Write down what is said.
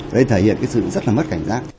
đây thể hiện cái sự rất là mất cảnh giác